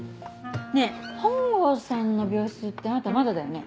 ねぇ本郷さんの病室ってあなたまだだよね？